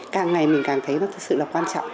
càng ngày mình càng thấy nó thật sự là quan trọng